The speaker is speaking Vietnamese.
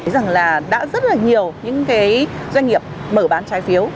rằng là đã rất là nhiều những cái doanh nghiệp mở bán trái phiếu